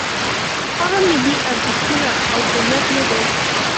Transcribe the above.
هغه ملي ارزښتونه او هویت نه دی.